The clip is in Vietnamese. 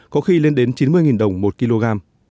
có khi lên đến chín mươi đồng một kg